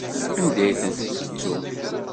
Anda i tent-tettum?